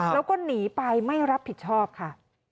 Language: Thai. แล้วก็หนีไปไม่รับผิดชอบค่ะ